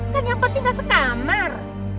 kan yang penting gak sekamar